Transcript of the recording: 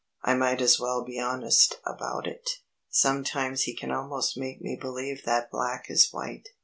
"I might as well be honest about it. Sometimes he can almost make me believe that black is white.